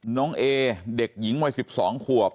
น้องเอเด็กหญิงวัย๑๒ขวบ